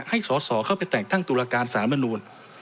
สอสอเข้าไปแต่งตั้งตุลาการสารมนูล